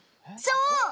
そう！